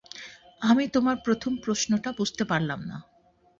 আমি তোমার প্রশ্নটা বুঝতে পারলাম না।